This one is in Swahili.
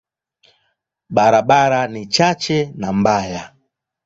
Barabara ni chache na mbaya.